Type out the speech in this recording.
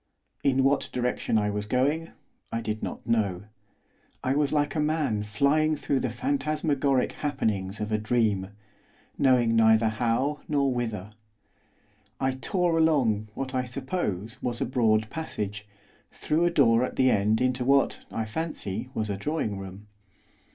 In what direction I was going I did not know. I was like a man flying through the phantasmagoric happenings of a dream, knowing neither how nor whither. I tore along what I suppose was a broad passage, through a door at the end into what, I fancy, was a drawing room.